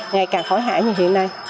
ngày càng khỏi hãi như hiện nay